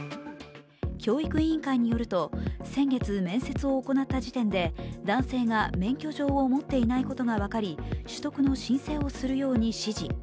教育委員会によると、先月、面接を行った時点で、男性が免許状を持っていないことが分かり、取得の申請をするよう指示。